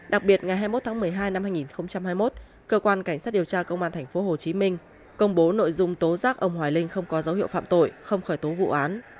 đặc biệt ngày hai mươi một tháng một mươi hai năm hai nghìn hai mươi một cơ quan cảnh sát điều tra công an tp hcm công bố nội dung tố giác ông hoài linh không có dấu hiệu phạm tội không khởi tố vụ án